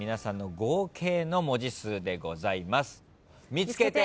見つけて！